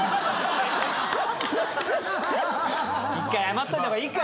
１回謝っといた方がいいか。